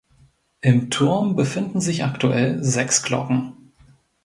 Im Turm befinden sich aktuell sechs Glocken.